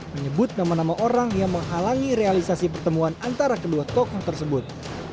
menyebut nama nama orang yang menghalangi realisasi pertemuan antara kedua tokoh tersebut